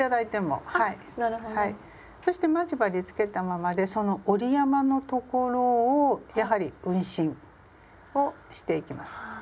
そして待ち針つけたままでその折り山の所をやはり運針をしていきます。